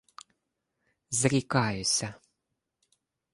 — Зрікаюся.